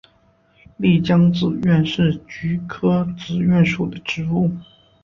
丽江紫菀是菊科紫菀属的植物。